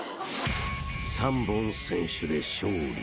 ［３本先取で勝利］